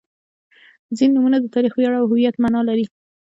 • ځینې نومونه د تاریخ، ویاړ او هویت معنا لري.